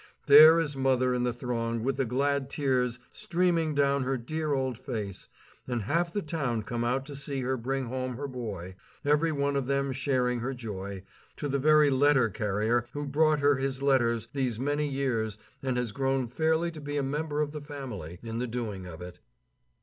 There is mother in the throng with the glad tears streaming down her dear old face, and half the town come out to see her bring home her boy, every one of them sharing her joy, to the very letter carrier who brought her his letters these many years and has grown fairly to be a member of the family in the doing of it.